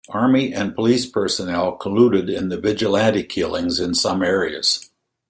Army and police personnel colluded in the vigilante killings in some areas.